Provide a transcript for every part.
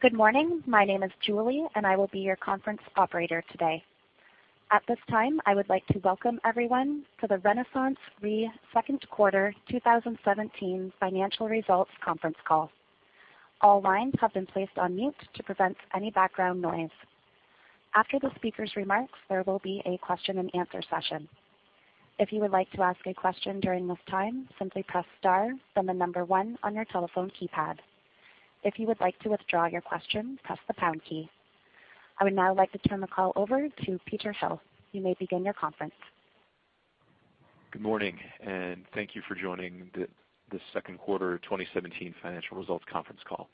Good morning. My name is Julie, and I will be your conference operator today. At this time, I would like to welcome everyone to the RenaissanceRe Second Quarter 2017 Financial Results Conference Call. All lines have been placed on mute to prevent any background noise. After the speaker's remarks, there will be a question and answer session. If you would like to ask a question during this time, simply press star then the number one on your telephone keypad. If you would like to withdraw your question, press the pound key. I would now like to turn the call over to Peter Hill. You may begin your conference. Good morning. Thank you for joining the second quarter 2017 financial results conference call.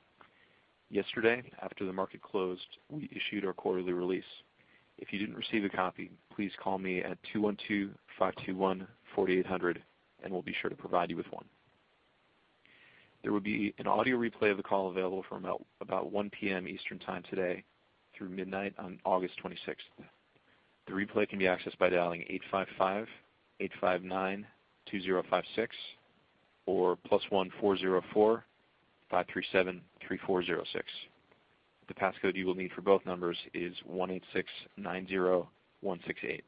Yesterday, after the market closed, we issued our quarterly release. If you didn't receive a copy, please call me at 212-521-4800 and we'll be sure to provide you with one. There will be an audio replay of the call available from about 1:00 P.M. Eastern Time today through midnight on August 26th. The replay can be accessed by dialing 855-859-2056 or +1-404-537-3406. The passcode you will need for both numbers is 18690168.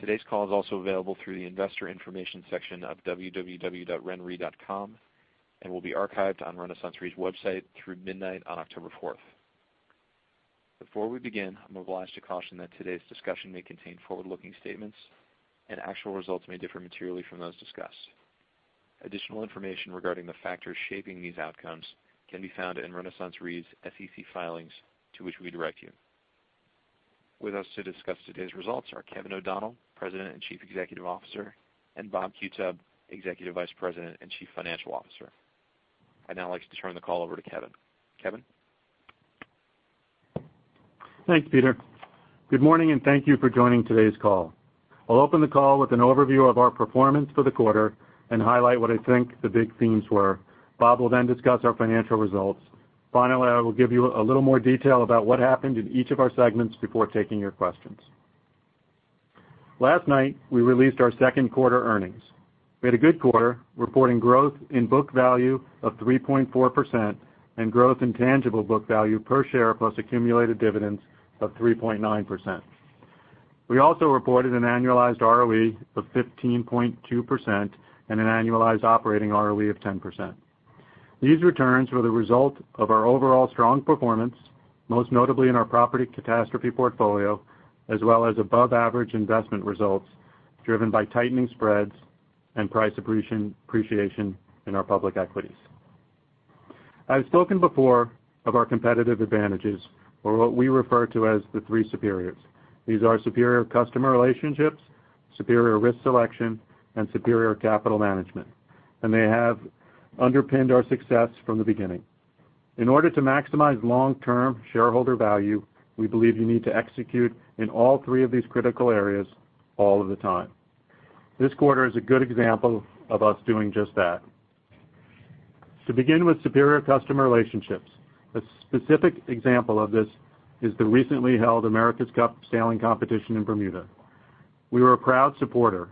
Today's call is also available through the investor information section of www.renre.com and will be archived on RenaissanceRe's website through midnight on October 4th. Before we begin, I'm obliged to caution that today's discussion may contain forward-looking statements and actual results may differ materially from those discussed. Additional information regarding the factors shaping these outcomes can be found in RenaissanceRe's SEC filings, to which we direct you. With us to discuss today's results are Kevin O'Donnell, President and Chief Executive Officer, and Bob Qutub, Executive Vice President and Chief Financial Officer. I'd now like to turn the call over to Kevin. Kevin? Thanks, Peter. Good morning. Thank you for joining today's call. I'll open the call with an overview of our performance for the quarter and highlight what I think the big themes were. Bob will then discuss our financial results. Finally, I will give you a little more detail about what happened in each of our segments before taking your questions. Last night, we released our second quarter earnings. We had a good quarter, reporting growth in book value of 3.4% and growth in tangible book value per share plus accumulated dividends of 3.9%. We also reported an annualized ROE of 15.2% and an annualized operating ROE of 10%. These returns were the result of our overall strong performance, most notably in our property catastrophe portfolio, as well as above-average investment results driven by tightening spreads and price appreciation in our public equities. I've spoken before of our competitive advantages or what we refer to as the three superiors. These are superior customer relationships, superior risk selection, and superior capital management, and they have underpinned our success from the beginning. In order to maximize long-term shareholder value, we believe you need to execute in all three of these critical areas all of the time. This quarter is a good example of us doing just that. To begin with superior customer relationships, a specific example of this is the recently held America's Cup sailing competition in Bermuda. We were a proud supporter,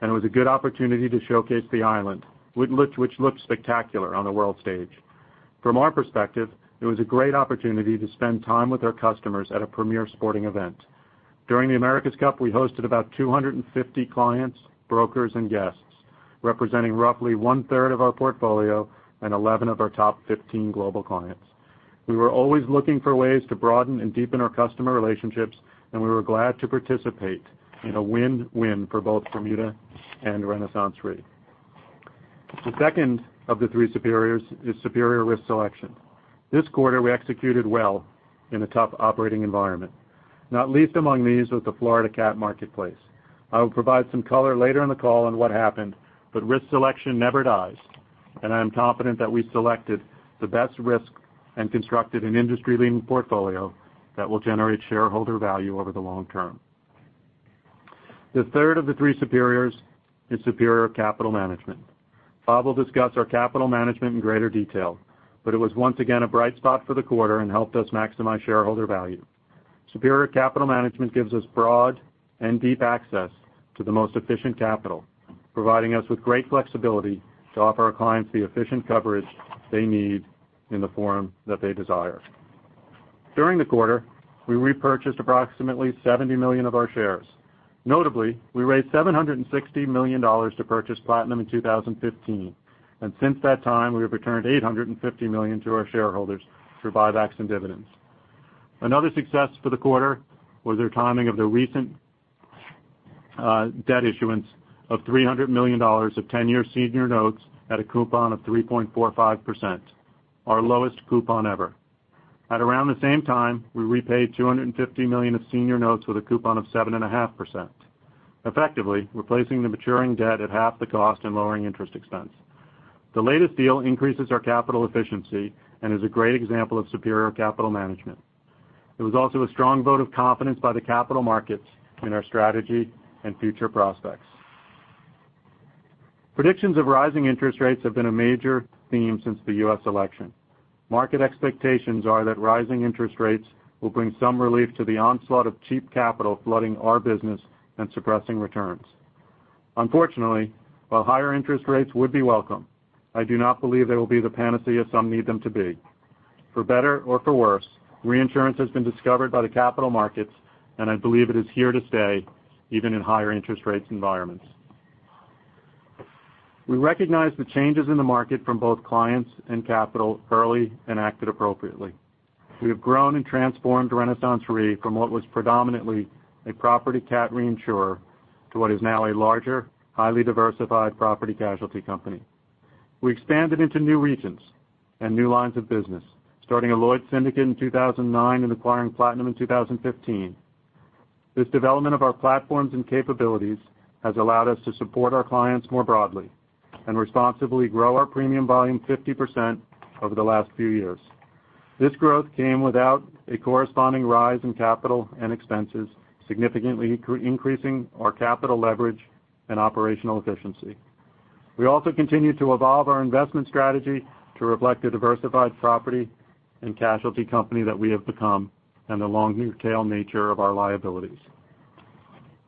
and it was a good opportunity to showcase the island, which looked spectacular on the world stage. From our perspective, it was a great opportunity to spend time with our customers at a premier sporting event. During the America's Cup, we hosted about 250 clients, brokers, and guests, representing roughly one-third of our portfolio and 11 of our top 15 global clients. We were always looking for ways to broaden and deepen our customer relationships, and we were glad to participate in a win-win for both Bermuda and RenaissanceRe. The second of the three superiors is superior risk selection. This quarter, we executed well in a tough operating environment, not least among these was the Florida cat marketplace. I will provide some color later in the call on what happened, but risk selection never dies, and I am confident that we selected the best risk and constructed an industry-leading portfolio that will generate shareholder value over the long term. The third of the three superiors is superior capital management. Bob will discuss our capital management in greater detail, but it was once again a bright spot for the quarter and helped us maximize shareholder value. Superior capital management gives us broad and deep access to the most efficient capital, providing us with great flexibility to offer our clients the efficient coverage they need in the form that they desire. During the quarter, we repurchased approximately $70 million of our shares. Notably, we raised $760 million to purchase Platinum in 2015, and since that time, we have returned $850 million to our shareholders through buybacks and dividends. Another success for the quarter was the timing of the recent debt issuance of $300 million of 10-year senior notes at a coupon of 3.45%, our lowest coupon ever. At around the same time, we repaid $250 million of senior notes with a coupon of 7.5%, effectively replacing the maturing debt at half the cost and lowering interest expense. The latest deal increases our capital efficiency and is a great example of superior capital management. It was also a strong vote of confidence by the capital markets in our strategy and future prospects. Predictions of rising interest rates have been a major theme since the U.S. election. Market expectations are that rising interest rates will bring some relief to the onslaught of cheap capital flooding our business and suppressing returns. Unfortunately, while higher interest rates would be welcome, I do not believe they will be the panacea some need them to be. For better or for worse, reinsurance has been discovered by the capital markets, and I believe it is here to stay, even in higher interest rates environments. We recognize the changes in the market from both clients and capital early and acted appropriately. We have grown and transformed RenaissanceRe from what was predominantly a property cat reinsurer to what is now a larger, highly diversified property casualty company. We expanded into new regions and new lines of business, starting a Lloyd's syndicate in 2009 and acquiring Platinum in 2015. This development of our platforms and capabilities has allowed us to support our clients more broadly and responsibly grow our premium volume 50% over the last few years. This growth came without a corresponding rise in capital and expenses, significantly increasing our capital leverage and operational efficiency. We also continue to evolve our investment strategy to reflect the diversified property and casualty company that we have become and the long-tail nature of our liabilities.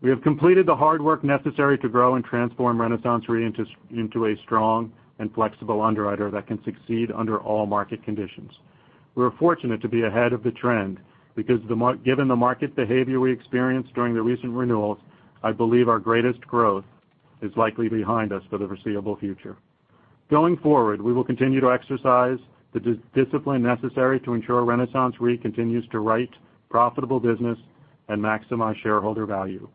We have completed the hard work necessary to grow and transform RenaissanceRe into a strong and flexible underwriter that can succeed under all market conditions. We are fortunate to be ahead of the trend, because given the market behavior we experienced during the recent renewals, I believe our greatest growth is likely behind us for the foreseeable future. Going forward, we will continue to exercise the discipline necessary to ensure RenaissanceRe continues to write profitable business and maximize shareholder value.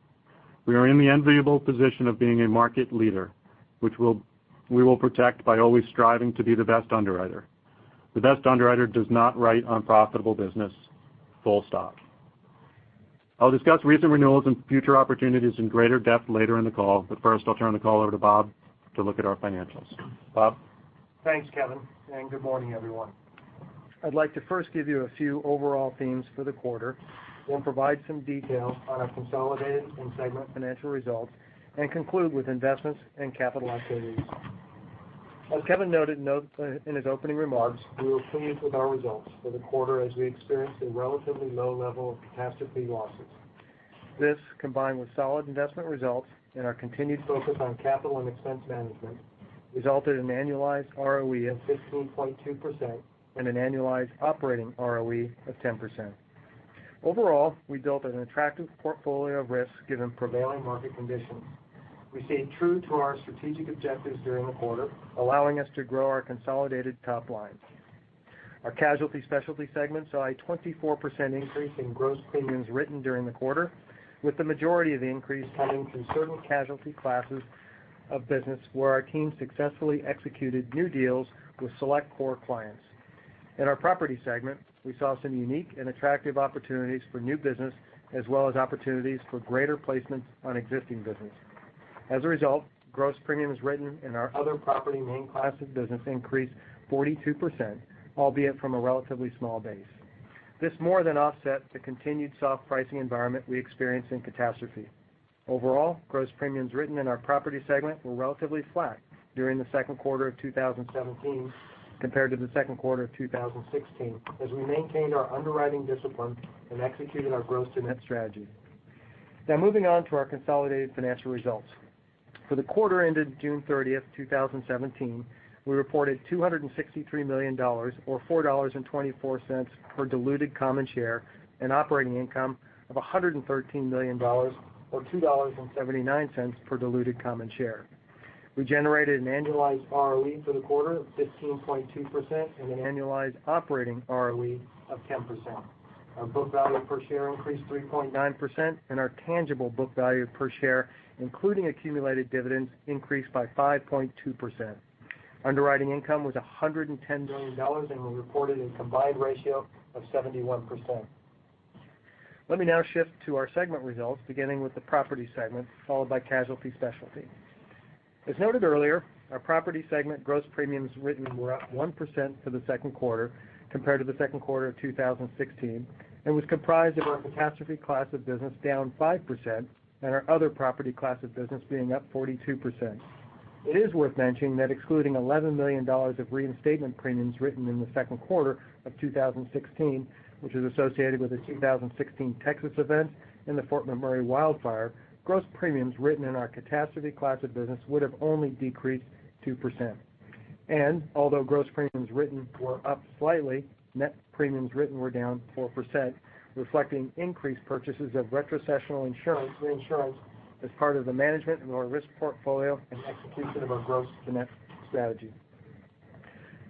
We are in the enviable position of being a market leader, which we will protect by always striving to be the best underwriter. The best underwriter does not write unprofitable business, full stop. I'll discuss recent renewals and future opportunities in greater depth later in the call, but first, I'll turn the call over to Bob to look at our financials. Bob? Thanks, Kevin, good morning, everyone. I'd like to first give you a few overall themes for the quarter. Provide some details on our consolidated and segment financial results. Conclude with investments and capital activities. As Kevin noted in his opening remarks, we were pleased with our results for the quarter as we experienced a relatively low level of catastrophe losses. This, combined with solid investment results and our continued focus on capital and expense management, resulted in annualized ROE of 15.2% and an annualized operating ROE of 10%. Overall, we built an attractive portfolio of risks given prevailing market conditions. We stayed true to our strategic objectives during the quarter, allowing us to grow our consolidated top line. Our casualty specialty segment saw a 24% increase in gross premiums written during the quarter, with the majority of the increase coming from certain casualty classes of business where our team successfully executed new deals with select core clients. In our property segment, we saw some unique and attractive opportunities for new business, as well as opportunities for greater placements on existing business. As a result, gross premiums written in our other property main class of business increased 42%, albeit from a relatively small base. This more than offset the continued soft pricing environment we experienced in catastrophe. Overall, gross premiums written in our property segment were relatively flat during the second quarter of 2017 compared to the second quarter of 2016, as we maintained our underwriting discipline and executed our gross-to-net strategy. Moving on to our consolidated financial results. For the quarter ended June 30, 2017, we reported $263 million, or $4.24 per diluted common share, and operating income of $113 million, or $2.79 per diluted common share. We generated an annualized ROE for the quarter of 15.2% and an annualized operating ROE of 10%. Our book value per share increased 3.9%, and our tangible book value per share, including accumulated dividends, increased by 5.2%. Underwriting income was $110 million, and we reported a combined ratio of 71%. Let me now shift to our segment results, beginning with the property segment, followed by casualty specialty. As noted earlier, our property segment gross premiums written were up 1% for the second quarter compared to the second quarter of 2016 and was comprised of our catastrophe class of business down 5% and our other property class of business being up 42%. Although gross premiums written were up slightly, net premiums written were down 4%, reflecting increased purchases of retrocessional reinsurance as part of the management of our risk portfolio and execution of our gross-to-net strategy. It is worth mentioning that excluding $11 million of reinstatement premiums written in the second quarter of 2016, which is associated with the 2016 Texas event and the Fort McMurray wildfire, gross premiums written in our catastrophe class of business would have only decreased 2%.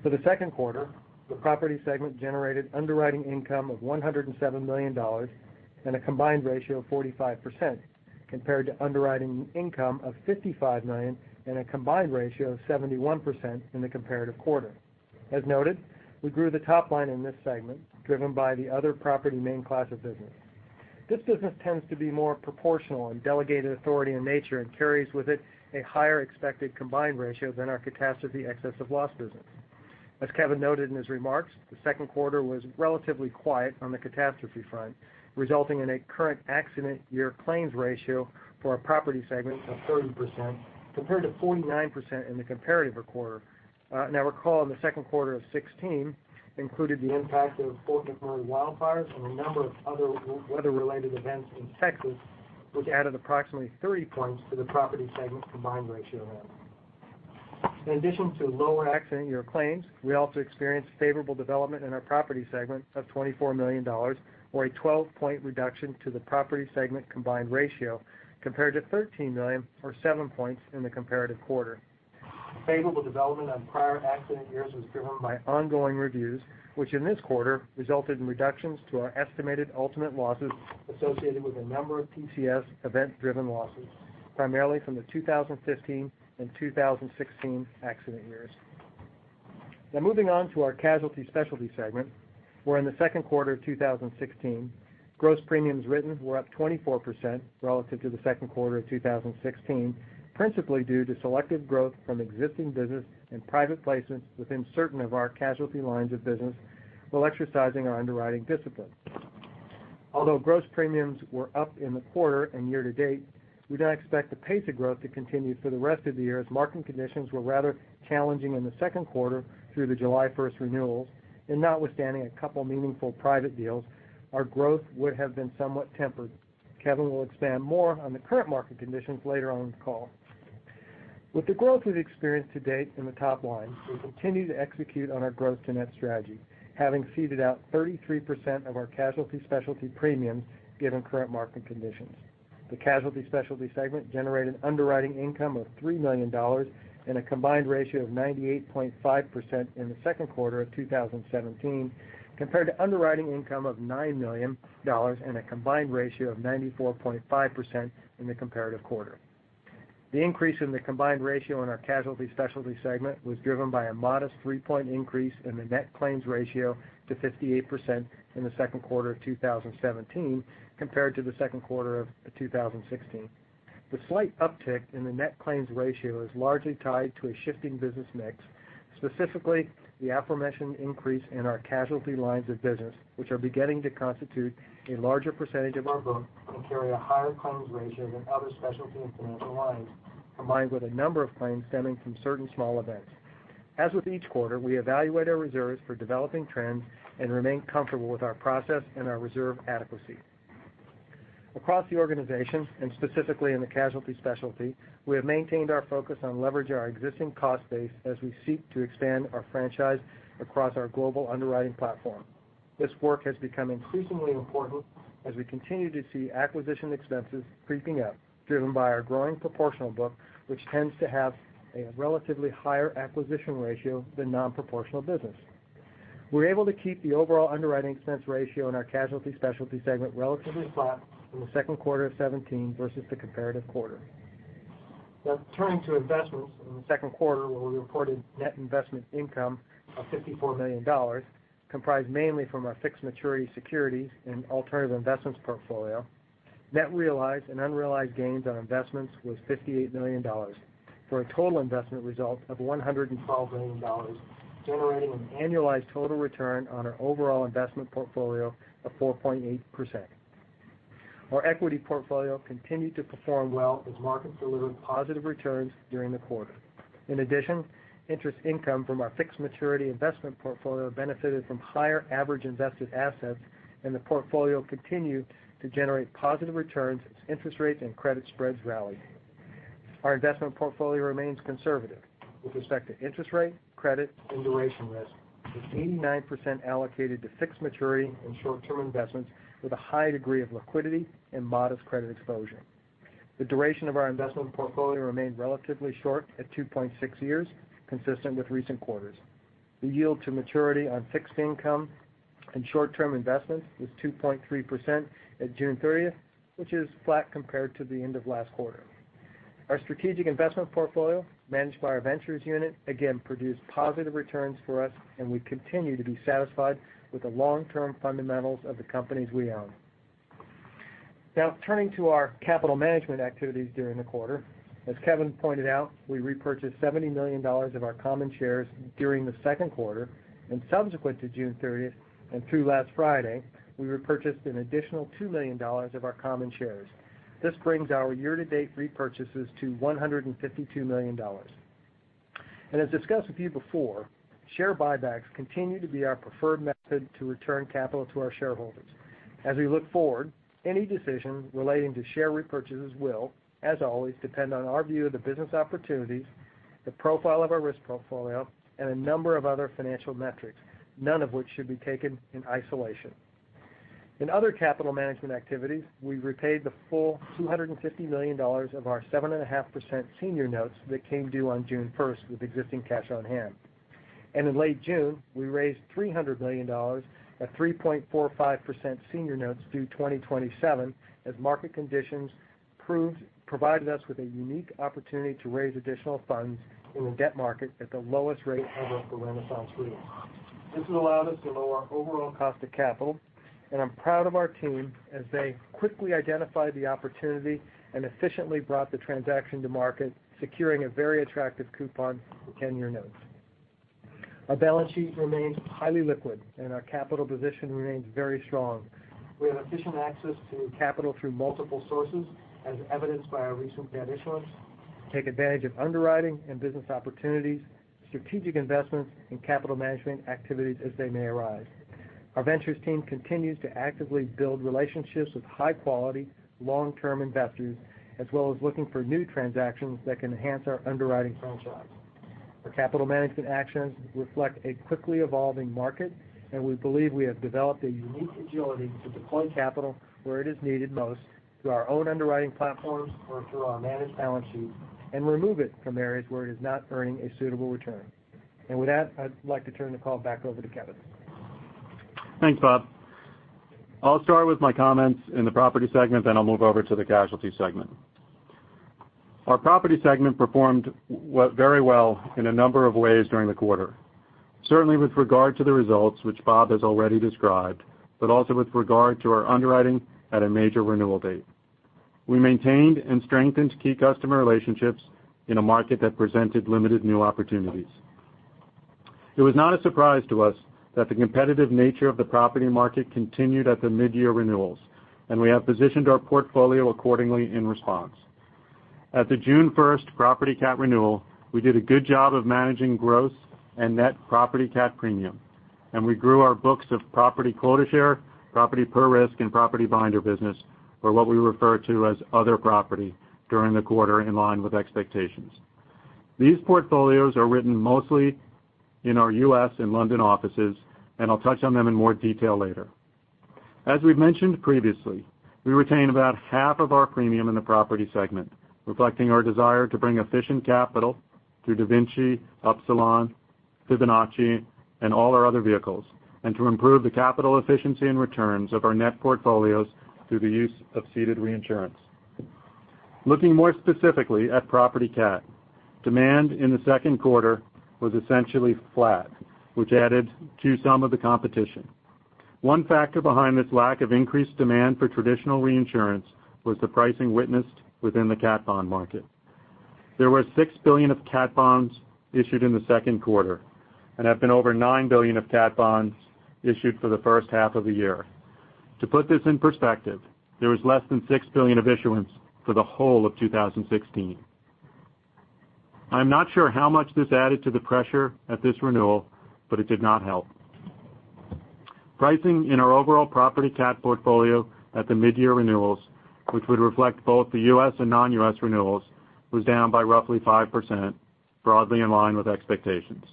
For the second quarter, the property segment generated underwriting income of $107 million and a combined ratio of 45%, compared to underwriting income of $55 million and a combined ratio of 71% in the comparative quarter. As noted, we grew the top line in this segment, driven by the other property main class of business. This business tends to be more proportional in delegated authority in nature and carries with it a higher expected combined ratio than our catastrophe excess of loss business. As Kevin noted in his remarks, the second quarter was relatively quiet on the catastrophe front, resulting in a current accident year claims ratio for our property segment of 30% compared to 49% in the comparative quarter. Recall, in the second quarter of 2016, included the impact of Fort McMurray wildfires and a number of other weather-related events in Texas, which added approximately 30 points to the property segment's combined ratio then. In addition to lower accident year claims, we also experienced favorable development in our property segment of $24 million, or a 12-point reduction to the property segment combined ratio, compared to $13 million or seven points in the comparative quarter. Favorable development on prior accident years was driven by ongoing reviews, which in this quarter resulted in reductions to our estimated ultimate losses associated with a number of PCS event-driven losses, primarily from the 2015 and 2016 accident years. Moving on to our casualty specialty segment, where in the second quarter of 2016, gross premiums written were up 24% relative to the second quarter of 2016, principally due to selective growth from existing business and private placements within certain of our casualty lines of business, while exercising our underwriting discipline. Although gross premiums were up in the quarter and year to date, we don't expect the pace of growth to continue for the rest of the year, as market conditions were rather challenging in the second quarter through the July 1st renewals, and notwithstanding a couple meaningful private deals, our growth would have been somewhat tempered. Kevin will expand more on the current market conditions later on in the call. With the growth we've experienced to date in the top line, we continue to execute on our gross-to-net strategy, having ceded out 33% of our casualty specialty premiums, given current market conditions. The casualty specialty segment generated underwriting income of $3 million and a combined ratio of 98.5% in the second quarter of 2017, compared to underwriting income of $9 million and a combined ratio of 94.5% in the comparative quarter. The increase in the combined ratio in our casualty specialty segment was driven by a modest three-point increase in the net claims ratio to 58% in the second quarter of 2017, compared to the second quarter of 2016. The slight uptick in the net claims ratio is largely tied to a shifting business mix, specifically the aforementioned increase in our casualty lines of business, which are beginning to constitute a larger percentage of our book and carry a higher claims ratio than other specialty and financial lines, combined with a number of claims stemming from certain small events. As with each quarter, we evaluate our reserves for developing trends and remain comfortable with our process and our reserve adequacy. Across the organization, and specifically in the casualty specialty, we have maintained our focus on leveraging our existing cost base as we seek to expand our franchise across our global underwriting platform. This work has become increasingly important as we continue to see acquisition expenses creeping up, driven by our growing proportional book, which tends to have a relatively higher acquisition ratio than non-proportional business. We're able to keep the overall underwriting expense ratio in our casualty specialty segment relatively flat in the second quarter of 2017 versus the comparative quarter. Turning to investments in the second quarter, where we reported net investment income of $54 million, comprised mainly from our fixed maturity securities and alternative investments portfolio. Net realized and unrealized gains on investments was $58 million, for a total investment result of $112 million, generating an annualized total return on our overall investment portfolio of 4.8%. Our equity portfolio continued to perform well as markets delivered positive returns during the quarter. In addition, interest income from our fixed maturity investment portfolio benefited from higher average invested assets, and the portfolio continued to generate positive returns as interest rates and credit spreads rallied. Our investment portfolio remains conservative with respect to interest rate, credit, and duration risk, with 89% allocated to fixed maturity and short-term investments with a high degree of liquidity and modest credit exposure. The duration of our investment portfolio remained relatively short at 2.6 years, consistent with recent quarters. The yield to maturity on fixed income and short-term investments was 2.3% at June 30th, which is flat compared to the end of last quarter. Our strategic investment portfolio, managed by our ventures unit, again produced positive returns for us, and we continue to be satisfied with the long-term fundamentals of the companies we own. Turning to our capital management activities during the quarter. As Kevin pointed out, we repurchased $70 million of our common shares during the second quarter, and subsequent to June 30th and through last Friday, we repurchased an additional $2 million of our common shares. This brings our year-to-date repurchases to $152 million. As discussed with you before, share buybacks continue to be our preferred method to return capital to our shareholders. As we look forward, any decision relating to share repurchases will, as always, depend on our view of the business opportunities, the profile of our risk portfolio, and a number of other financial metrics, none of which should be taken in isolation. In other capital management activities, we repaid the full $250 million of our 7.5% senior notes that came due on June 1st with existing cash on hand. In late June, we raised $300 million at 3.45% senior notes due 2027, as market conditions provided us with a unique opportunity to raise additional funds in the debt market at the lowest rate ever for RenaissanceRe. This has allowed us to lower our overall cost of capital. I'm proud of our team as they quickly identified the opportunity and efficiently brought the transaction to market, securing a very attractive coupon for 10-year notes. Our balance sheet remains highly liquid, and our capital position remains very strong. We have efficient access to capital through multiple sources, as evidenced by our recent debt issuance, take advantage of underwriting and business opportunities, strategic investments and capital management activities as they may arise. Our ventures team continues to actively build relationships with high-quality, long-term investors, as well as looking for new transactions that can enhance our underwriting franchise. Our capital management actions reflect a quickly evolving market. We believe we have developed a unique agility to deploy capital where it is needed most through our own underwriting platforms or through our managed balance sheet and remove it from areas where it is not earning a suitable return. With that, I'd like to turn the call back over to Kevin. Thanks, Bob. I'll start with my comments in the property segment. I'll move over to the casualty segment. Our property segment performed very well in a number of ways during the quarter. Certainly with regard to the results, which Bob has already described, also with regard to our underwriting at a major renewal date. We maintained and strengthened key customer relationships in a market that presented limited new opportunities. It was not a surprise to us that the competitive nature of the property market continued at the mid-year renewals, and we have positioned our portfolio accordingly in response. At the June 1st property cat renewal, we did a good job of managing gross and net property cat premium. We grew our books of property quota share, property per risk, and property binder business, or what we refer to as other property during the quarter in line with expectations. These portfolios are written mostly in our U.S. and London offices, and I'll touch on them in more detail later. As we've mentioned previously, we retain about half of our premium in the property segment, reflecting our desire to bring efficient capital through DaVinci, Upsilon, Fibonacci, and all our other vehicles, and to improve the capital efficiency and returns of our net portfolios through the use of ceded reinsurance. Looking more specifically at property cat, demand in the second quarter was essentially flat, which added to some of the competition. One factor behind this lack of increased demand for traditional reinsurance was the pricing witnessed within the cat bond market. There were $6 billion of cat bonds issued in the second quarter and have been over $9 billion of cat bonds issued for the first half of the year. To put this in perspective, there was less than $6 billion of issuance for the whole of 2016. I'm not sure how much this added to the pressure at this renewal, but it did not help. Pricing in our overall property cat portfolio at the mid-year renewals, which would reflect both the U.S. and non-U.S. renewals, was down by roughly 5%, broadly in line with expectations.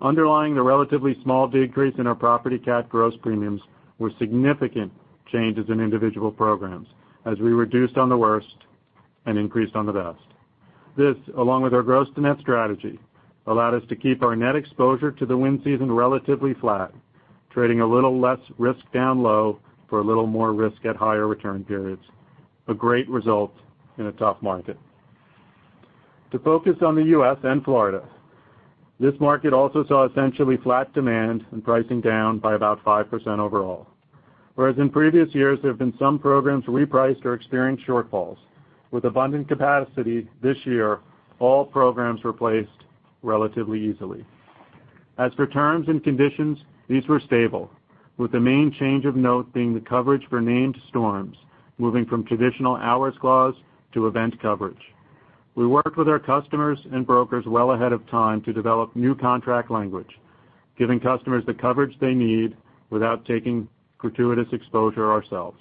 Underlying the relatively small decrease in our property cat gross premiums were significant changes in individual programs as we reduced on the worst and increased on the best. This, along with our gross-to-net strategy, allowed us to keep our net exposure to the wind season relatively flat, trading a little less risk down low for a little more risk at higher return periods, a great result in a tough market. To focus on the U.S. and Florida, this market also saw essentially flat demand and pricing down by about 5% overall. Whereas in previous years, there have been some programs repriced or experienced shortfalls. With abundant capacity this year, all programs were placed relatively easily. As for terms and conditions, these were stable, with the main change of note being the coverage for named storms moving from traditional hours clause to event coverage. We worked with our customers and brokers well ahead of time to develop new contract language, giving customers the coverage they need without taking gratuitous exposure ourselves.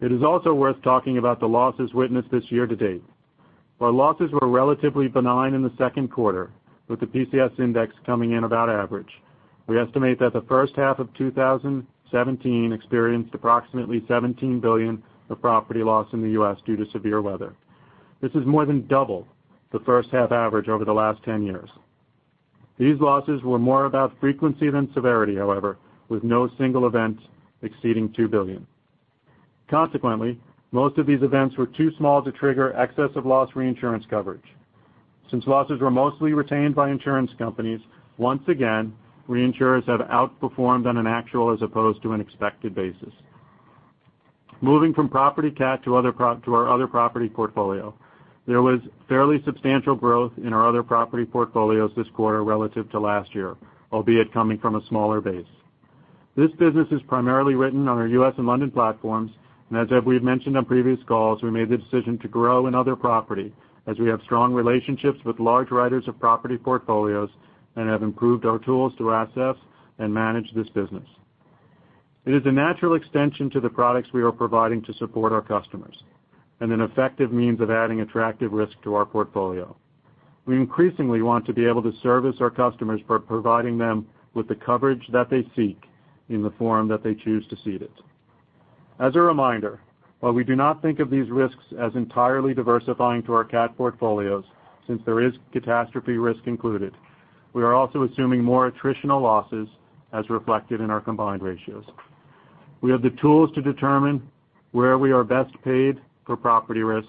It is also worth talking about the losses witnessed this year to date. While losses were relatively benign in the second quarter with the PCS index coming in about average, we estimate that the first half of 2017 experienced approximately $17 billion of property loss in the U.S. due to severe weather. This is more than double the first half average over the last 10 years. These losses were more about frequency than severity, however, with no single event exceeding $2 billion. Consequently, most of these events were too small to trigger excess of loss reinsurance coverage. Since losses were mostly retained by insurance companies, once again, reinsurers have outperformed on an actual as opposed to an expected basis. Moving from property cat to our other property portfolio, there was fairly substantial growth in our other property portfolios this quarter relative to last year, albeit coming from a smaller base. This business is primarily written on our U.S. and London platforms. As we've mentioned on previous calls, we made the decision to grow in other property as we have strong relationships with large writers of property portfolios and have improved our tools to assess and manage this business. It is a natural extension to the products we are providing to support our customers and an effective means of adding attractive risk to our portfolio. We increasingly want to be able to service our customers by providing them with the coverage that they seek in the form that they choose to cede it. As a reminder, while we do not think of these risks as entirely diversifying to our cat portfolios, since there is catastrophe risk included, we are also assuming more attritional losses as reflected in our combined ratios. We have the tools to determine where we are best paid for property risk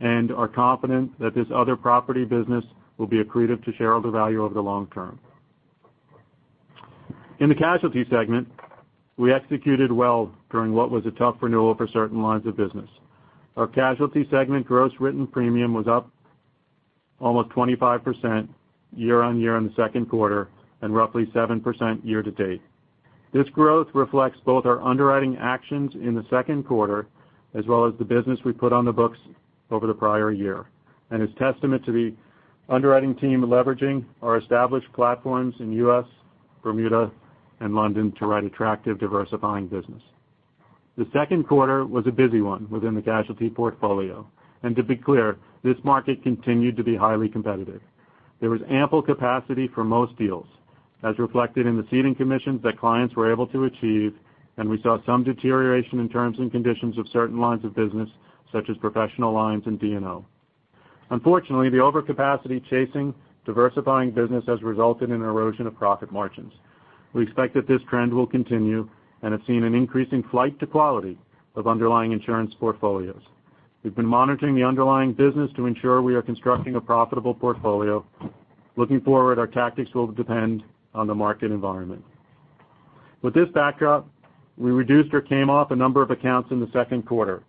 and are confident that this other property business will be accretive to shareholder value over the long term. In the casualty segment, we executed well during what was a tough renewal for certain lines of business. Our casualty segment gross written premium was up almost 25% year-over-year in the second quarter and roughly 7% year-to-date. This growth reflects both our underwriting actions in the second quarter as well as the business we put on the books over the prior year. It is testament to the underwriting team leveraging our established platforms in the U.S., Bermuda, and London to write attractive diversifying business. The second quarter was a busy one within the casualty portfolio. To be clear, this market continued to be highly competitive. There was ample capacity for most deals, as reflected in the ceding commissions that clients were able to achieve. We saw some deterioration in terms and conditions of certain lines of business such as professional lines and D&O. Unfortunately, the overcapacity chasing diversifying business has resulted in erosion of profit margins. We expect that this trend will continue. We have seen an increasing flight to quality of underlying insurance portfolios. We've been monitoring the underlying business to ensure we are constructing a profitable portfolio. Looking forward, our tactics will depend on the market environment. With this backdrop, we reduced or came off a number of accounts in the second quarter,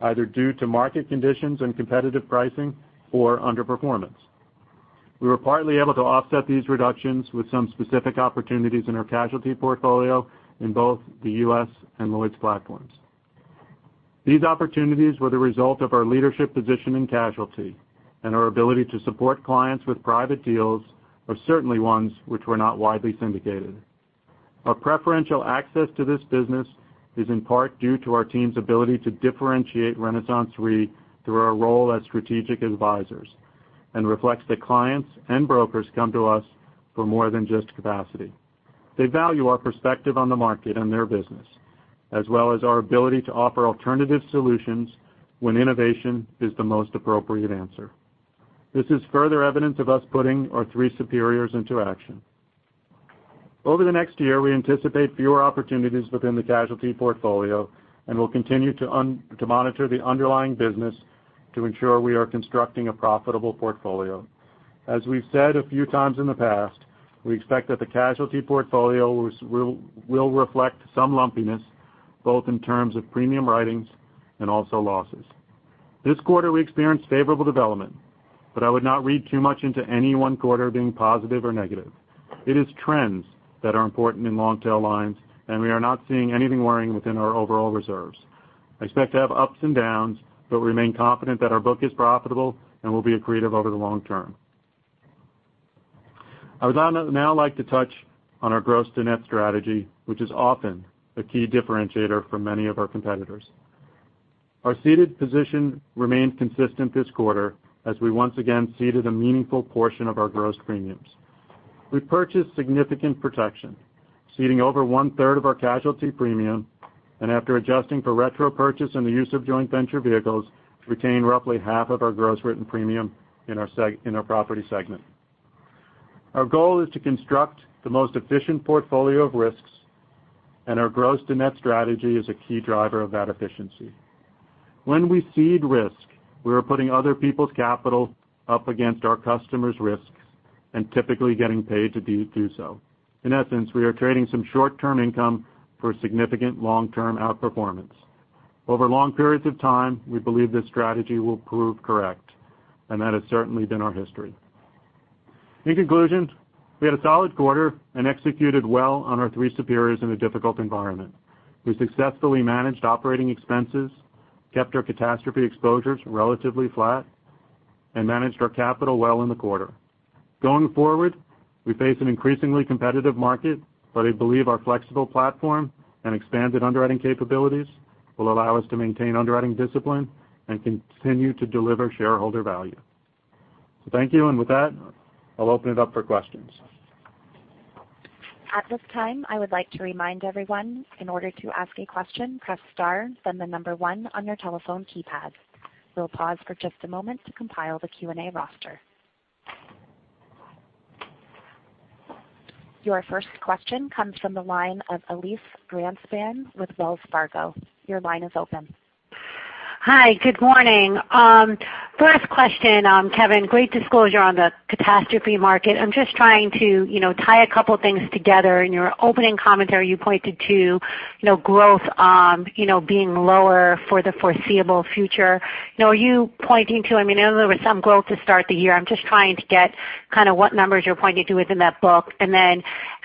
either due to market conditions and competitive pricing or underperformance. We were partly able to offset these reductions with some specific opportunities in our casualty portfolio in both the U.S. and Lloyd's platforms. These opportunities were the result of our leadership position in casualty and our ability to support clients with private deals are certainly ones which were not widely syndicated. Our preferential access to this business is in part due to our team's ability to differentiate RenaissanceRe through our role as strategic advisors and reflects that clients and brokers come to us for more than just capacity. They value our perspective on the market and their business, as well as our ability to offer alternative solutions when innovation is the most appropriate answer. This is further evidence of us putting our three pillars into action. Over the next year, we anticipate fewer opportunities within the casualty portfolio. We will continue to monitor the underlying business to ensure we are constructing a profitable portfolio. As we've said a few times in the past, we expect that the casualty portfolio will reflect some lumpiness, both in terms of premium writings and also losses. This quarter, we experienced favorable development, I would not read too much into any one quarter being positive or negative. It is trends that are important in long-tail lines, we are not seeing anything worrying within our overall reserves. I expect to have ups and downs, remain confident that our book is profitable and will be accretive over the long term. I would now like to touch on our gross-to-net strategy, which is often a key differentiator for many of our competitors. Our ceded position remained consistent this quarter as we once again ceded a meaningful portion of our gross premiums. We purchased significant protection, ceding over one-third of our casualty premium, after adjusting for retro purchase and the use of joint venture vehicles, to retain roughly half of our gross written premium in our property segment. Our goal is to construct the most efficient portfolio of risks, our gross-to-net strategy is a key driver of that efficiency. When we cede risk, we are putting other people's capital up against our customers' risks typically getting paid to do so. In essence, we are trading some short-term income for significant long-term outperformance. Over long periods of time, we believe this strategy will prove correct, that has certainly been our history. In conclusion, we had a solid quarter executed well on our three superiors in a difficult environment. We successfully managed operating expenses, kept our catastrophe exposures relatively flat, managed our capital well in the quarter. Going forward, we face an increasingly competitive market, I believe our flexible platform and expanded underwriting capabilities will allow us to maintain underwriting discipline and continue to deliver shareholder value. Thank you. With that, I'll open it up for questions. At this time, I would like to remind everyone, in order to ask a question, press star, then the number one on your telephone keypad. We'll pause for just a moment to compile the Q&A roster. Your first question comes from the line of Elyse Greenspan with Wells Fargo. Your line is open. Hi. Good morning. First question, Kevin, great disclosure on the catastrophe market. I'm just trying to tie a couple of things together. In your opening commentary, you pointed to growth being lower for the foreseeable future. I mean, I know there was some growth to start the year. I'm just trying to get kind of what numbers you're pointing to within that book.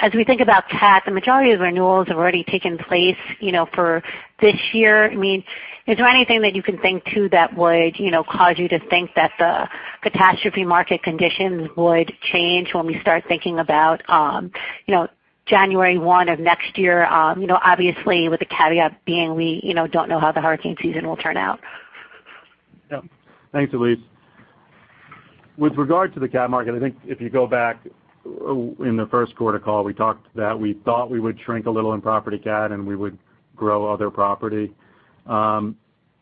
As we think about cat, the majority of the renewals have already taken place for this year. I mean, is there anything that you can think to that would cause you to think that the catastrophe market conditions would change when we start thinking about January 1 of next year? Obviously, with the caveat being we don't know how the hurricane season will turn out. Yeah. Thanks, Elyse. With regard to the cat market, I think if you go back in the first quarter call, we talked that we thought we would shrink a little in property cat and we would grow other property.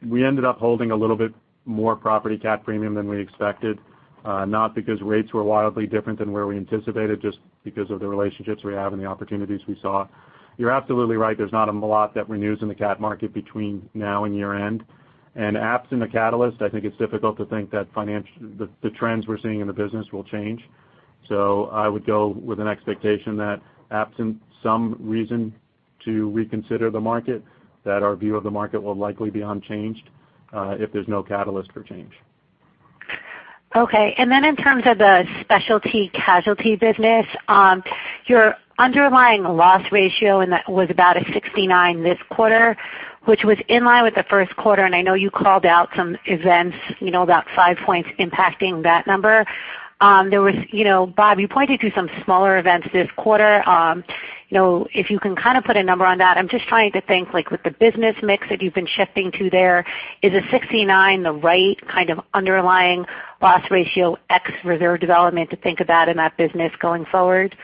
We ended up holding a little bit more property cat premium than we expected, not because rates were wildly different than where we anticipated, just because of the relationships we have and the opportunities we saw. You're absolutely right. There's not a lot that renews in the cat market between now and year-end. Absent a catalyst, I think it's difficult to think that the trends we're seeing in the business will change. I would go with an expectation that absent some reason to reconsider the market, that our view of the market will likely be unchanged, if there's no catalyst for change. Okay, in terms of the specialty casualty business, your underlying loss ratio, that was about a 69 this quarter, which was in line with the first quarter, and I know you called out some events, about five points impacting that number. Bob, you pointed to some smaller events this quarter. If you can put a number on that, I'm just trying to think, with the business mix that you've been shifting to there, is a 69 the right kind of underlying loss ratio ex reserve development to think about in that business going forward?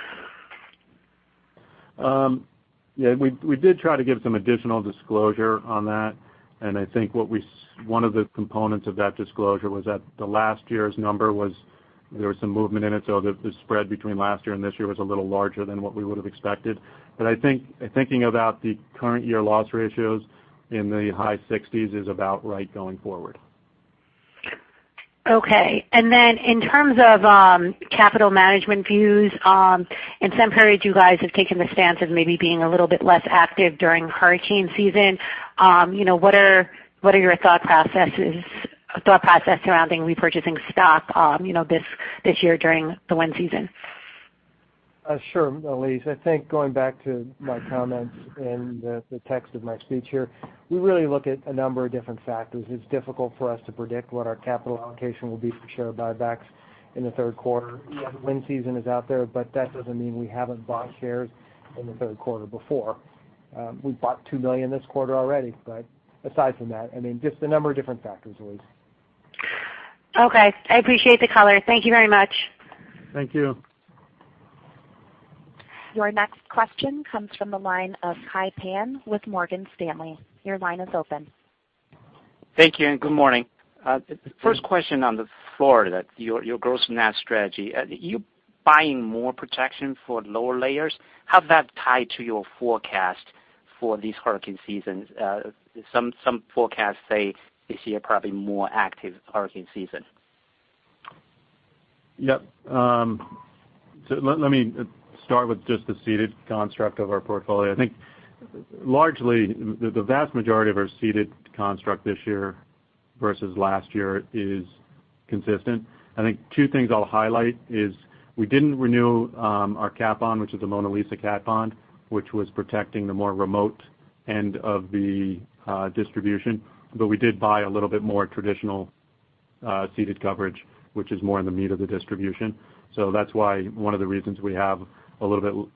Yeah, we did try to give some additional disclosure on that, and I think one of the components of that disclosure was that the last year's number, there was some movement in it, so the spread between last year and this year was a little larger than what we would have expected. I thinking about the current year loss ratios in the high 60s is about right going forward. Okay. In terms of capital management views, in some periods you guys have taken the stance of maybe being a little bit less active during hurricane season. What are your thought process surrounding repurchasing stock this year during the wind season? Sure, Elyse. I think going back to my comments in the text of my speech here, we really look at a number of different factors. It's difficult for us to predict what our capital allocation will be for share buybacks in the third quarter. That doesn't mean we haven't bought shares in the third quarter before. We've bought $2 million this quarter already, aside from that, just a number of different factors, Elyse. Okay. I appreciate the color. Thank you very much. Thank you. Your next question comes from the line of Kai Pan with Morgan Stanley. Your line is open. Thank you. Good morning. First question on the Florida, your gross-to-net strategy. Are you buying more protection for lower layers? How's that tied to your forecast for this hurricane season? Some forecasts say this year probably more active hurricane season. Yep. Let me start with just the ceded construct of our portfolio. I think largely the vast majority of our ceded construct this year versus last year is consistent. I think two things I'll highlight is we didn't renew our cat bond, which is the Mona Lisa cat bond, which was protecting the more remote end of the distribution. We did buy a little bit more traditional ceded coverage, which is more in the meat of the distribution. That's one of the reasons we have a little bit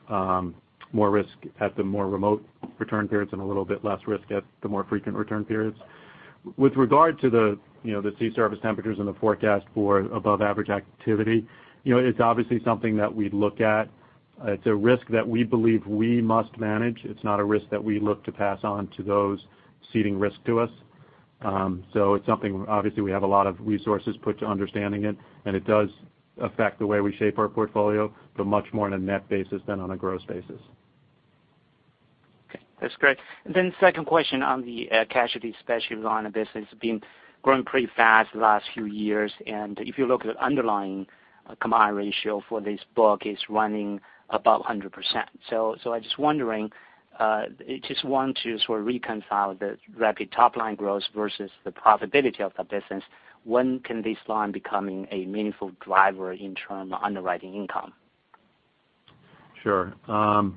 more risk at the more remote return periods and a little bit less risk at the more frequent return periods. With regard to the sea surface temperatures and the forecast for above average activity, it's obviously something that we look at. It's a risk that we believe we must manage. It's not a risk that we look to pass on to those ceding risk to us. It's something, obviously, we have a lot of resources put to understanding it. It does affect the way we shape our portfolio, but much more on a net basis than on a gross basis. Okay. That's great. Second question on the casualty specialty line of business growing pretty fast the last few years, if you look at underlying combined ratio for this book is running about 100%. I'm just wondering, just want to sort of reconcile the rapid top-line growth versus the profitability of the business. When can this line becoming a meaningful driver in term underwriting income? Sure. I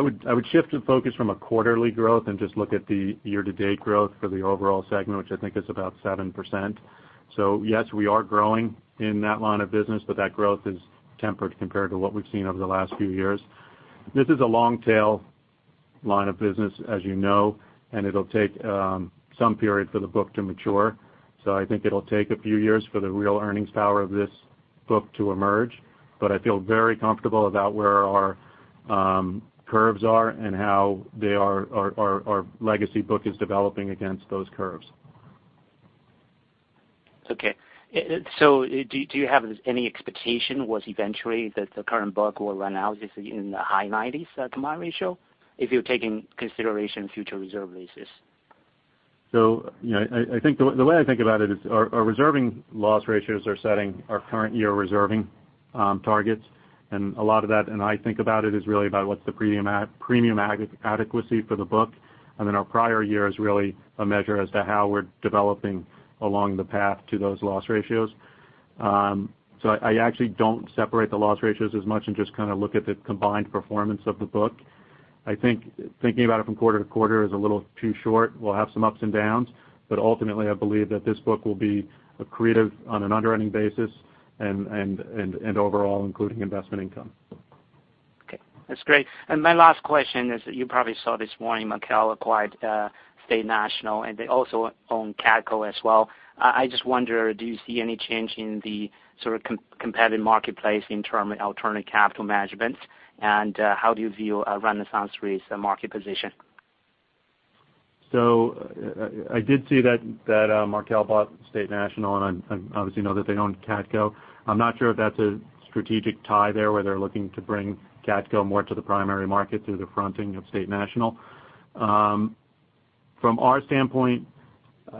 would shift the focus from a quarterly growth and just look at the year-to-date growth for the overall segment, which I think is about 7%. Yes, we are growing in that line of business, but that growth is tempered compared to what we've seen over the last few years. This is a long-tail line of business, as you know, and it'll take some period for the book to mature. I think it'll take a few years for the real earnings power of this book to emerge, but I feel very comfortable about where our curves are and how our legacy book is developing against those curves. Okay. Do you have any expectation was eventually that the current book will run out in the high 90s combined ratio if you're taking consideration future reserve releases? The way I think about it is our reserving loss ratios are setting our current year reserving targets, a lot of that, and I think about it, is really about what's the premium adequacy for the book, our prior year is really a measure as to how we're developing along the path to those loss ratios. I actually don't separate the loss ratios as much and just look at the combined performance of the book. I think thinking about it from quarter to quarter is a little too short. We'll have some ups and downs, ultimately, I believe that this book will be accretive on an underwriting basis and overall including investment income. Okay. That's great. My last question is you probably saw this morning Markel acquired State National, and they also own CatCo as well. I just wonder, do you see any change in the competitive marketplace in terms of alternative capital management, and how do you view RenaissanceRe's market position? I did see that Markel bought State National, and I obviously know that they own CatCo. I'm not sure if that's a strategic tie there, where they're looking to bring CatCo more to the primary market through the fronting of State National. From our standpoint,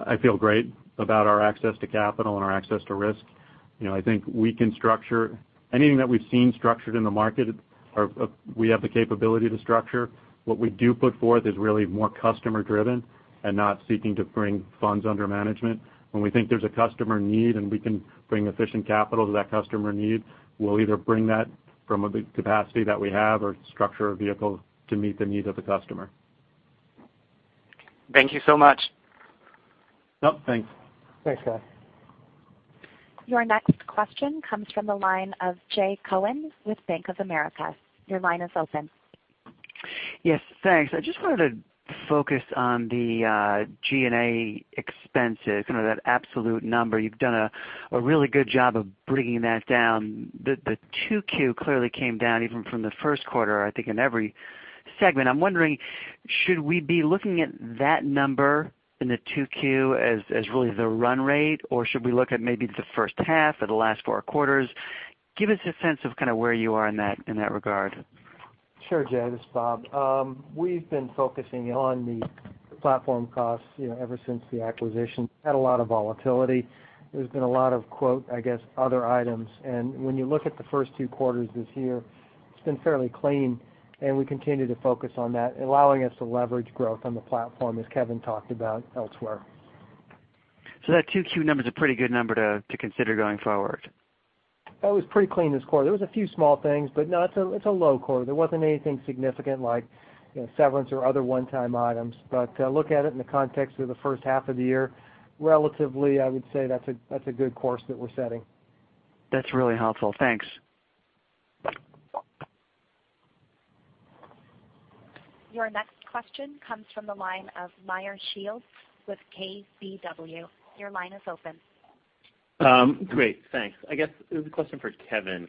I feel great about our access to capital and our access to risk. I think we can structure anything that we've seen structured in the market, or we have the capability to structure. What we do put forth is really more customer-driven and not seeking to bring funds under management. When we think there's a customer need and we can bring efficient capital to that customer need, we'll either bring that from the capacity that we have or structure a vehicle to meet the needs of the customer. Thank you so much. Yep, thanks. Thanks, Kai. Your next question comes from the line of Jay Cohen with Bank of America. Your line is open. Yes, thanks. I just wanted to focus on the G&A expenses, kind of that absolute number. You've done a really good job of bringing that down. The 2Q clearly came down even from the first quarter, I think in every segment. I'm wondering, should we be looking at that number in the 2Q as really the run rate, or should we look at maybe the first half or the last four quarters? Give us a sense of kind of where you are in that regard. Sure, Jay, this is Bob. We've been focusing on the platform costs ever since the acquisition. Had a lot of volatility. There's been a lot of quote, I guess, other items. When you look at the first two quarters this year, it's been fairly clean, and we continue to focus on that, allowing us to leverage growth on the platform, as Kevin talked about elsewhere. That 2Q number is a pretty good number to consider going forward. It was pretty clean this quarter. There was a few small things, no, it's a low quarter. There wasn't anything significant like severance or other one-time items. Look at it in the context of the first half of the year, relatively, I would say that's a good course that we're setting. That's really helpful. Thanks. Your next question comes from the line of Meyer Shields with KBW. Your line is open. Great, thanks. I guess this is a question for Kevin.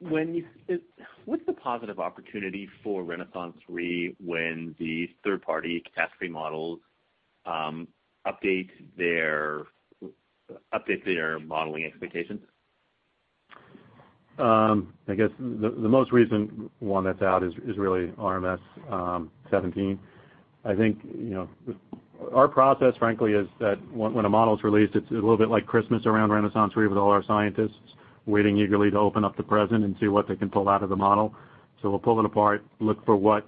What's the positive opportunity for RenaissanceRe when the third-party catastrophe models update their modeling expectations? I guess the most recent one that's out is really RMS 17. I think our process, frankly, is that when a model's released, it's a little bit like Christmas around RenaissanceRe with all our scientists waiting eagerly to open up the present and see what they can pull out of the model. We'll pull it apart, look for what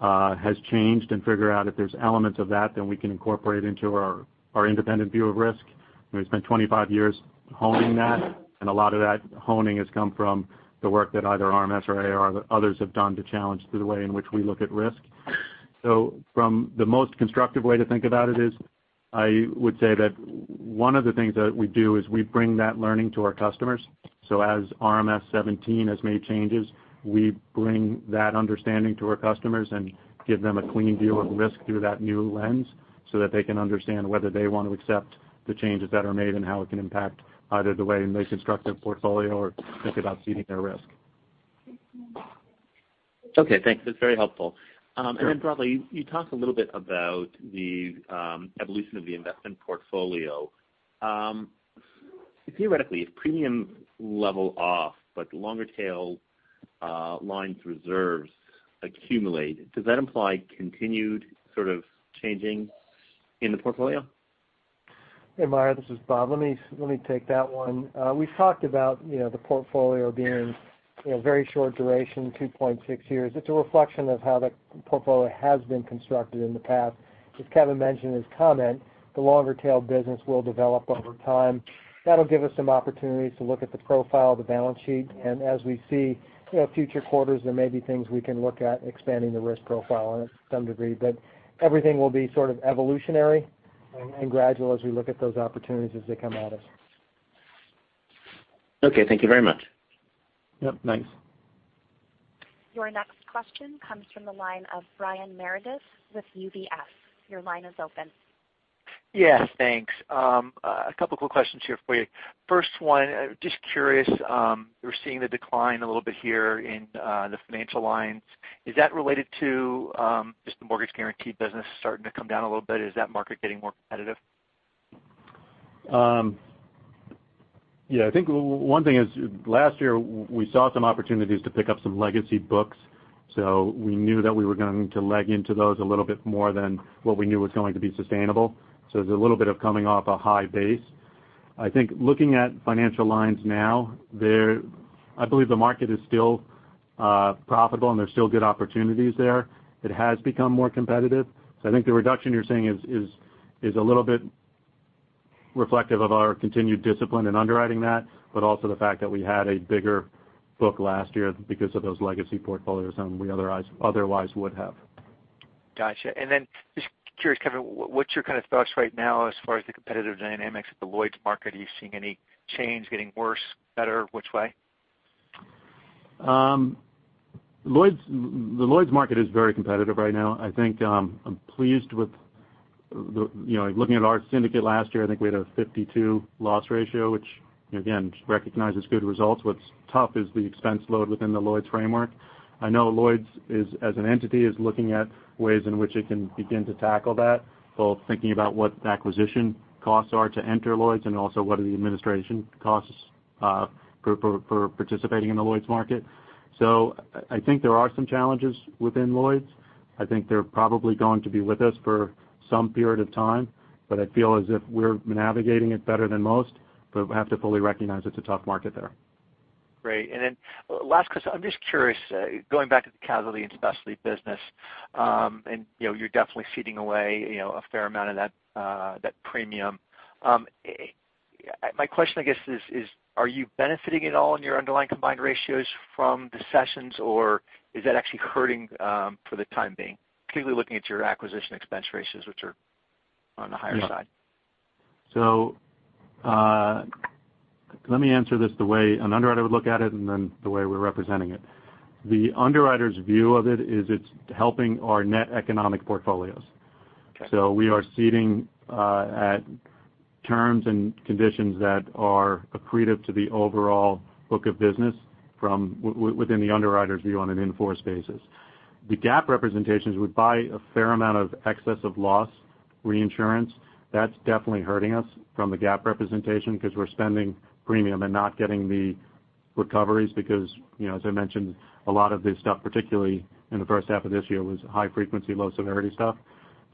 has changed, and figure out if there's elements of that, then we can incorporate into our independent view of risk. We've spent 25 years honing that, and a lot of that honing has come from the work that either RMS or AIR or others have done to challenge the way in which we look at risk. From the most constructive way to think about it is, I would say that one of the things that we do is we bring that learning to our customers. As RMS 17 has made changes, we bring that understanding to our customers and give them a clean view of risk through that new lens so that they can understand whether they want to accept the changes that are made and how it can impact either the way in which constructive portfolio or think about ceding their risk. Okay, thanks. That's very helpful. Sure. Then broadly, you talked a little bit about the evolution of the investment portfolio. Theoretically, if premium level off but longer tail lines reserves accumulate, does that imply continued sort of changing in the portfolio? Hey, Meyer, this is Bob. Let me take that one. We've talked about the portfolio being very short duration, 2.6 years. It's a reflection of how the portfolio has been constructed in the past. As Kevin mentioned in his comment, the longer tail business will develop over time. That'll give us some opportunities to look at the profile of the balance sheet, and as we see future quarters, there may be things we can look at expanding the risk profile on it to some degree. Everything will be sort of evolutionary and gradual as we look at those opportunities as they come at us. Okay, thank you very much. Yep, thanks. Your next question comes from the line of Brian Meredith with UBS. Your line is open. Yeah, thanks. A couple quick questions here for you. First one, just curious, we're seeing the decline a little bit here in the financial lines. Is that related to just the mortgage guarantee business starting to come down a little bit? Is that market getting more competitive? Yeah, I think one thing is last year we saw some opportunities to pick up some legacy books. We knew that we were going to leg into those a little bit more than what we knew was going to be sustainable. There's a little bit of coming off a high base. I think looking at financial lines now, I believe the market is still profitable and there's still good opportunities there. It has become more competitive. I think the reduction you're seeing is a little bit reflective of our continued discipline in underwriting that, but also the fact that we had a bigger book last year because of those legacy portfolios than we otherwise would have. Got you. Just curious, Kevin, what's your kind of thoughts right now as far as the competitive dynamics of the Lloyd's market? Are you seeing any change getting worse, better, which way? The Lloyd's market is very competitive right now. I think I'm pleased with Looking at our syndicate last year, I think we had a 52 loss ratio, which again, recognizes good results. What's tough is the expense load within the Lloyd's framework. I know Lloyd's, as an entity, is looking at ways in which it can begin to tackle that, both thinking about what the acquisition costs are to enter Lloyd's and also what are the administration costs for participating in the Lloyd's market. I think there are some challenges within Lloyd's. I think they're probably going to be with us for some period of time, but I feel as if we're navigating it better than most, but we have to fully recognize it's a tough market there. Great. Last question, I'm just curious, going back to the casualty and specialty business, and you're definitely ceding away a fair amount of that premium. My question, I guess is, are you benefiting at all in your underlying combined ratios from the cessions, or is that actually hurting for the time being? Particularly looking at your acquisition expense ratios, which are on the higher side. Let me answer this the way an underwriter would look at it and then the way we're representing it. The underwriter's view of it is it's helping our net economic portfolios. Okay. We are ceding at terms and conditions that are accretive to the overall book of business from within the underwriter's view on an in-force basis. The GAAP representations would buy a fair amount of excess of loss reinsurance. That's definitely hurting us from a GAAP representation because we're spending premium and not getting the recoveries because, as I mentioned, a lot of this stuff, particularly in the first half of this year, was high frequency, low severity stuff.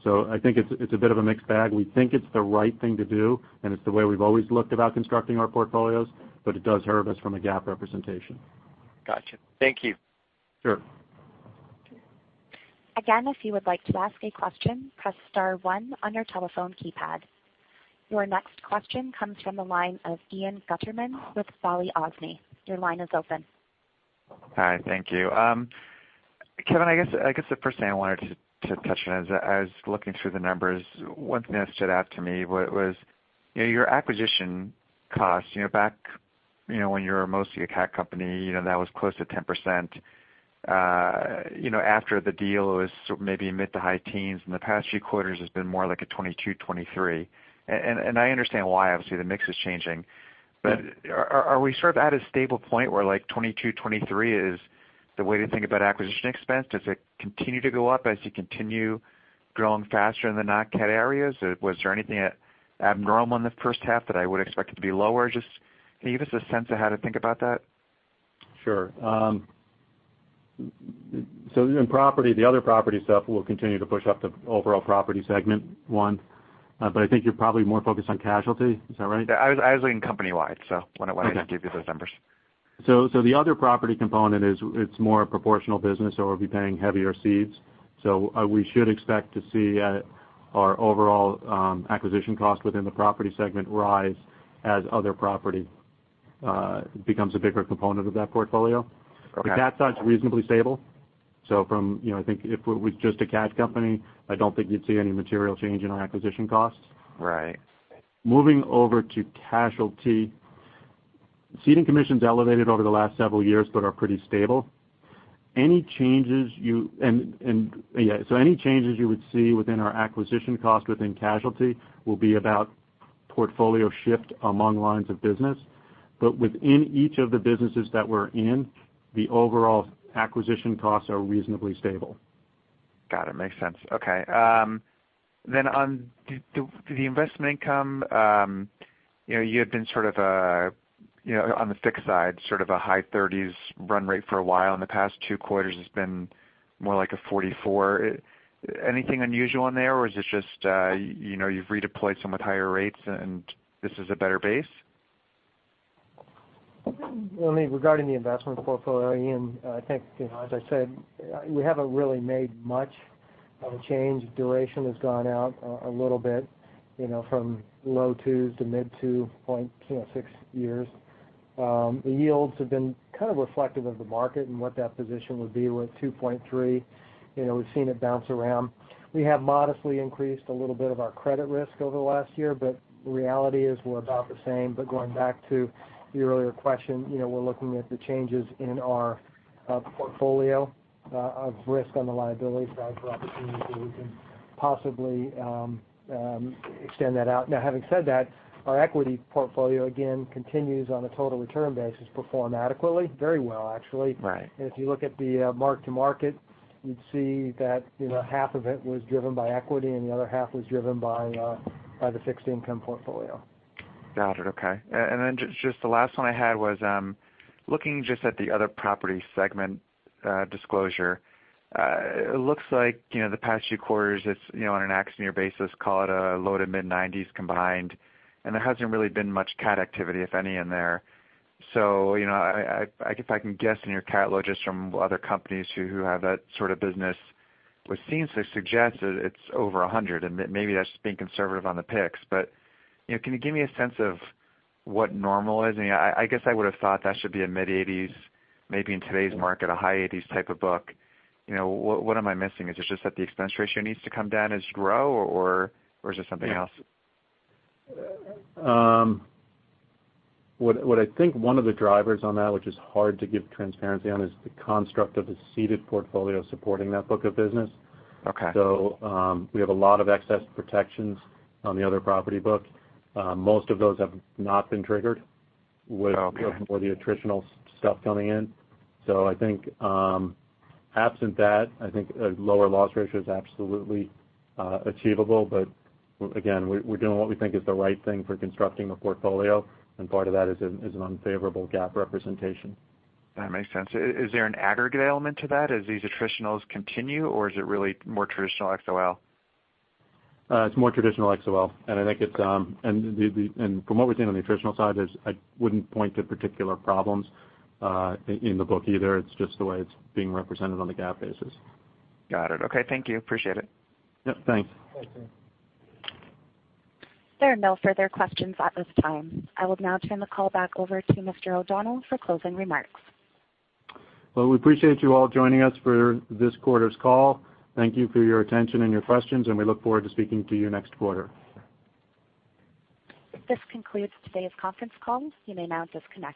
I think it's a bit of a mixed bag. We think it's the right thing to do, and it's the way we've always looked about constructing our portfolios, but it does hurt us from a GAAP representation. Got you. Thank you. Sure. Again, if you would like to ask a question, press *1 on your telephone keypad. Your next question comes from the line of Ian Gutterman with Balyasny. Your line is open. Hi, thank you. Kevin, I guess the first thing I wanted to touch on is, as looking through the numbers, one thing that stood out to me was your acquisition cost. Back when you were mostly a cat company, that was close to 10%. After the deal, it was maybe mid to high teens. In the past few quarters, it's been more like a 22%, 23%. I understand why, obviously, the mix is changing. Are we sort of at a stable point where like 22%, 23% is the way to think about acquisition expense? Does it continue to go up as you continue growing faster in the not cat areas? Was there anything abnormal in the first half that I would expect it to be lower? Just can you give us a sense of how to think about that? Sure. In property, the other property stuff will continue to push up the overall property segment, one. I think you're probably more focused on casualty. Is that right? Yeah, I was looking company-wide, so when I gave you those numbers. The other property component it's more a proportional business, so we'll be paying heavier cedes. We should expect to see our overall acquisition cost within the property segment rise as other property becomes a bigger component of that portfolio. Okay. The cat side's reasonably stable. I think if it was just a cat company, I don't think you'd see any material change in our acquisition costs. Right. Moving over to casualty, ceding commissions elevated over the last several years, but are pretty stable. Any changes you would see within our acquisition cost within casualty will be about portfolio shift among lines of business. Within each of the businesses that we're in, the overall acquisition costs are reasonably stable. Got it. Makes sense. Okay. On the investment income, you had been on the fixed side, sort of a high 30s run rate for a while. In the past 2 quarters, it's been more like a 44. Anything unusual in there, or is it just you've redeployed some with higher rates and this is a better base? Only regarding the investment portfolio, Ian, I think as I said, we haven't really made much of a change. Duration has gone out a little bit from low 2s to mid 2.6 years. The yields have been kind of reflective of the market and what that position would be. We're at 2.3. We've seen it bounce around. We have modestly increased a little bit of our credit risk over the last year, but reality is we're about the same. Going back to your earlier question, we're looking at the changes in our portfolio of risk on the liability side for opportunities where we can possibly extend that out. Now, having said that, our equity portfolio, again, continues on a total return basis, perform adequately, very well, actually. Right. If you look at the mark to market, you'd see that half of it was driven by equity and the other half was driven by the fixed income portfolio. Got it. Okay. Just the last one I had was looking just at the other property segment disclosure. It looks like the past few quarters it's on an accident year basis, call it a low to mid 90s combined, and there hasn't really been much cat activity, if any, in there. I guess I can guess in your cat loads just from other companies who have that sort of business, what seems to suggest is it's over 100, and maybe that's just being conservative on the picks. Can you give me a sense of what normal is? I guess I would have thought that should be a mid-80s, maybe in today's market, a high 80s type of book. What am I missing? Is it just that the expense ratio needs to come down as you grow, or is it something else? What I think one of the drivers on that, which is hard to give transparency on, is the construct of the ceded portfolio supporting that book of business. Okay. We have a lot of excess protections on the other property book. Most of those have not been triggered. Okay with more of the attritional stuff coming in. I think absent that, I think a lower loss ratio is absolutely achievable. Again, we're doing what we think is the right thing for constructing the portfolio, and part of that is an unfavorable GAAP representation. That makes sense. Is there an aggregate element to that as these attritionals continue, or is it really more traditional XOL? It's more traditional XOL. From what we're seeing on the attritional side, I wouldn't point to particular problems in the book either. It's just the way it's being represented on the GAAP basis. Got it. Okay. Thank you. Appreciate it. Yep, thanks. Thanks, Ian. There are no further questions at this time. I will now turn the call back over to Mr. O'Donnell for closing remarks. Well, we appreciate you all joining us for this quarter's call. Thank you for your attention and your questions, and we look forward to speaking to you next quarter. This concludes today's conference call. You may now disconnect.